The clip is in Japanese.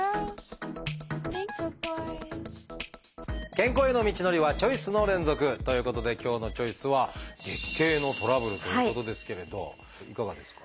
健康への道のりはチョイスの連続！ということで今日の「チョイス」はいかがですか？